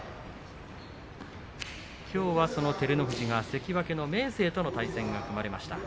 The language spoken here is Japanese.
きょうはその照ノ富士が関脇の明生との対戦が組まれました。